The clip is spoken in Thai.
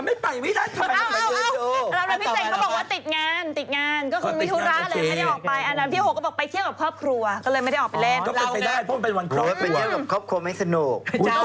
มันเป็นเกี่ยวกับครอบครัวไม่สนุก